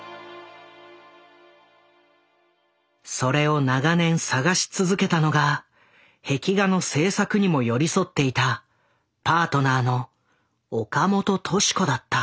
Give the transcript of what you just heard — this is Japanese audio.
それを長年探し続けたのが壁画の制作にも寄り添っていたパートナーの岡本敏子だった。